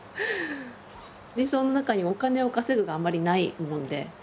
理想の中にお金を稼ぐがあんまりないもんで。